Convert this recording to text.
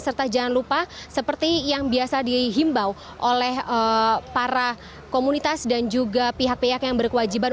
serta jangan lupa seperti yang biasa dihimbau oleh para komunitas dan juga pihak pihak yang berkewajiban